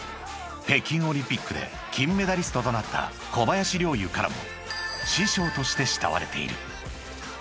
［北京オリンピックで金メダリストとなった小林陵侑からも師匠として慕われている］